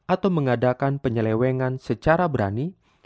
atau mengadakan penyelewengan secara berani